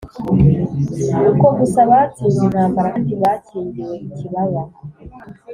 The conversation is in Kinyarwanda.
uko gusa batsinze intambara kandi bakingiwe ikibaba